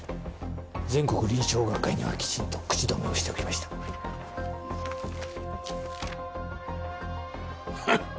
全国臨床学会にはきちんと口止めをしておきましたフン